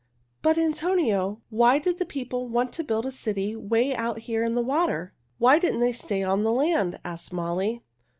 "But, Antonio, why did the people want to build a city 'way out here in the water? Why didn't they stay on the land?" asked Molly.